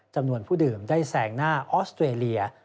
จำนวนผู้ดื่มได้แสงหน้าออสเตรเลีย